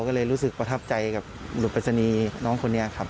ก็เลยรู้สึกประทับใจกับหลุดปริศนีย์น้องคนนี้ครับ